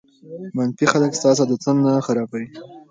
منفي خلک ستاسو عادتونه خرابوي.